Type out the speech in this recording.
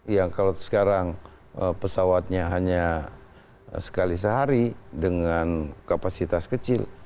yang kalau sekarang pesawatnya hanya sekali sehari dengan kapasitas kecil